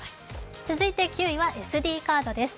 続いて９位はＳＤカードです。